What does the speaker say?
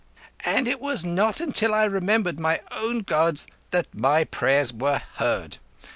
"And it was not till I remembered my own Gods that my prayers were heard.